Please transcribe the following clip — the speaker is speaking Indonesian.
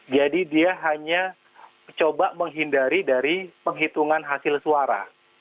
jadi dia hanya coba menghindari dari penghitungan hasil suara